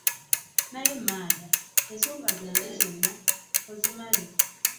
Naye Maada, ensonga zange zonna ozimanyi.